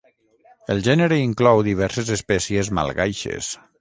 El gènere inclou diverses espècies malgaixes.